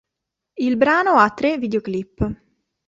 Il brano ha tre videoclip.